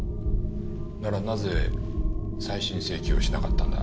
ならなぜ再審請求をしなかったんだ？